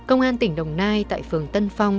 công an tỉnh đồng nai tại phường tân phong